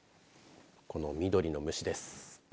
この緑の虫です。